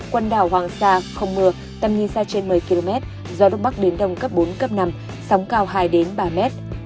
quần đảo hoàng sa không mưa tầm nhìn xa trên một mươi km gió đông bắc đến đông cấp bốn cấp năm sóng cao hai ba mét